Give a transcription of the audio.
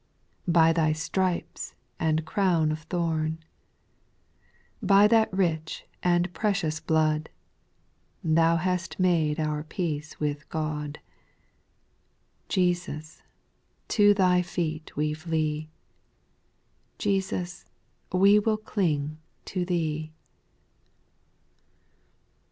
By Thy stripes and crown of thorn, By that rich and precious blood, That hath made our peace with God,— Jesus, to Thy feet we flee, Jesus, we will cling to Thee.